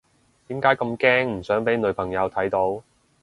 點解咁驚唔想俾女朋友睇到？